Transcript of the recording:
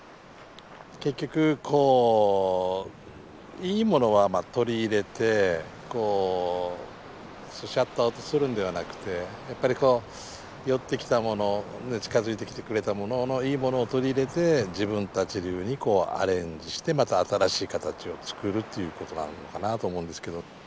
結局こういいものは取り入れてシャットアウトするんではなくてやっぱり寄ってきたもの近づいてきてくれたもののいいものを取り入れて自分たち流にアレンジしてまた新しい形を作るっていうことなのかなと思うんですけど。